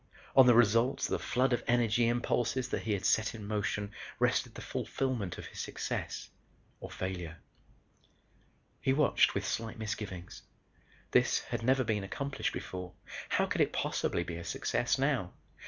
On the results of the flood of energy impulses that he had set in motion rested the fulfillment of his success or failure. He watched with slight misgivings. This had never been accomplished before. How could it possibly be a success now?